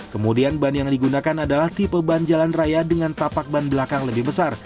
kemudian ban yang digunakan adalah tipe ban jalan raya dengan tapak ban belakang lebih besar